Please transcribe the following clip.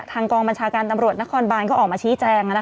กองบัญชาการตำรวจนครบานก็ออกมาชี้แจง